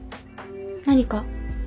何か？